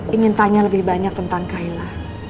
ingin tanya lebih banyak tentang kaila